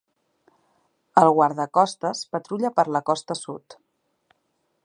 El guardacostes patrulla per la costa sud.